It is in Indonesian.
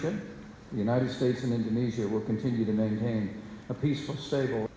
hari ini saya berpikir dengan keberhatan